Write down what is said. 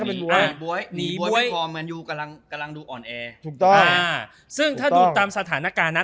ก็เป็นบ้วยหนีบ้วยมันอยู่กำลังกำลังดูออนแอร์ถูกต้องซึ่งถ้าดูตามสถานการณ์นะ